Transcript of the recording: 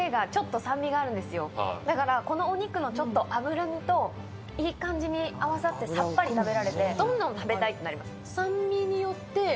だからこのお肉の脂身といい感じに合わさってさっぱり食べられてどんどん食べたいってなります。